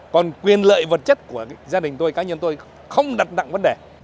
còn quyền lợi vật chất của gia đình tôi cá nhân tôi không đặt nặng vấn đề